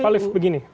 pak liv begini